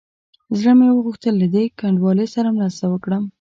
زړه مې وغوښتل له دې کنډوالې سره مرسته وکړم.